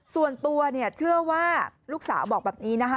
ส่วนตัวเนี่ยเชื่อว่าลูกสาวบอกแบบนี้นะคะ